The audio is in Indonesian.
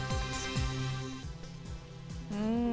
nah rupanya rp